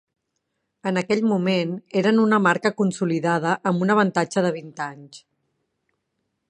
En aquell moment eren una marca consolidada amb un avantatge de vint anys.